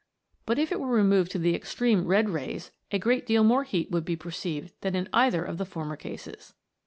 But if it were removed to the extreme red rays a great deal more heat would be perceived than in either of the former cases.